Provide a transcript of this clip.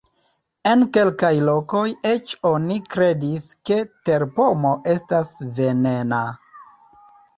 En kelkaj lokoj eĉ oni kredis, ke terpomo estas venena.